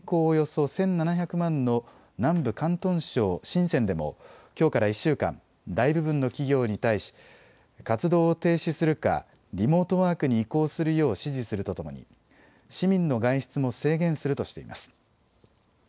およそ１７００万の南部広東省深センでもきょうから１週間、大部分の企業に対し活動を停止するか、リモートワークに移行するよう指示するとともに市民の外出も制限するとしています。